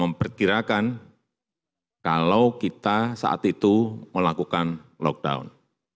memperkirakan kalau kita saat itu melakukan lockdown